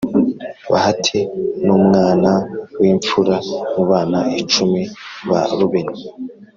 bahati numwan wimfura mubana icumi ba rubeni